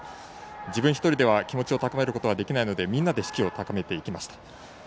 自分ひとりでは気持ちを高めることはできないのでみんなで士気を高めていきました。